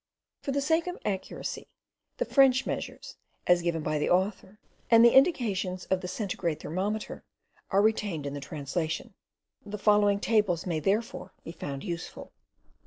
For the sake of accuracy, the French Measures, as given by the Author, and the indications of the Centigrade Thermometer, are retained in the translation. The following tables may, therefore, be found useful.